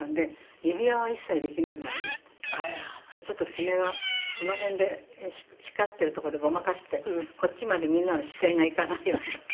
ちょっと爪はこの辺で光ってるとこでごまかしてこっちまでみんなの視線がいかないようにしてますけど。